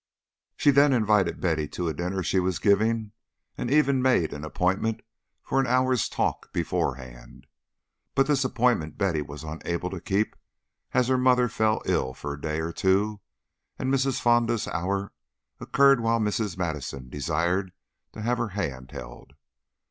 She then invited Betty to a dinner she was giving, and even made an appointment for an hour's "talk" beforehand; but this appointment Betty was unable to keep, as her mother fell ill for a day or two, and Mrs. Fonda's hour occurred while Mrs. Madison desired to have her hand held.